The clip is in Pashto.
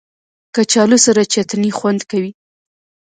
کچالو سره چټني خوند کوي